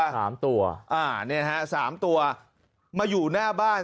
นี่นะฮะ๓ตัวมาอยู่หน้าบ้าน